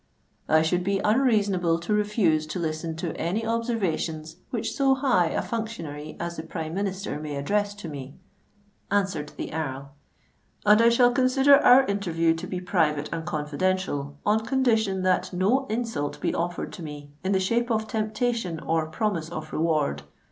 "I should be unreasonable to refuse to listen to any observations which so high a functionary as the Prime Minister may address to me," answered the Earl; "and I shall consider our interview to be private and confidential, on condition that no insult be offered to me in the shape of temptation or promise of reward.